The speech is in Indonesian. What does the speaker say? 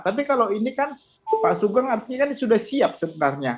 tapi kalau ini kan pak sugeng artinya kan sudah siap sebenarnya